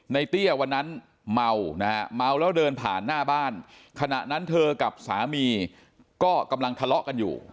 เตี้ยวันนั้นเมานะฮะเมาแล้วเดินผ่านหน้าบ้านขณะนั้นเธอกับสามีก็กำลังทะเลาะกันอยู่